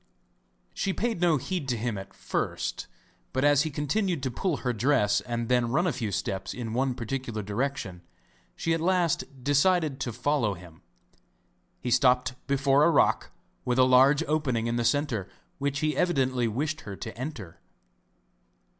She paid no heed to him at first, but as he continued to pull her dress and then run a few steps in one particular direction, she at last decided to follow him; he stopped before a rock with a large opening in the centre, which he evidently wished her to enter.